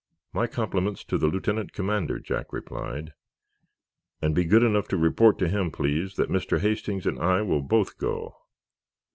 "My compliments to the lieutenant commander," Jack replied. "And be good enough to report to him, please, that Mr. Hastings and I will both go."